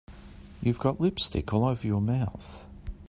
You've got lipstick all over your mouth.